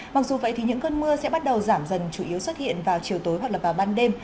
mặc dù vậy thì những cơn mưa sẽ bắt đầu giảm dần chủ yếu xuất hiện vào chiều tối hoặc là vào ban đêm